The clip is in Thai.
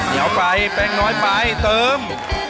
เดี๋ยวไปแป้งน้อยไปเติม